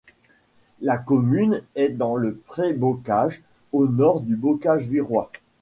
La commune est dans le Pré-Bocage, au nord du Bocage virois.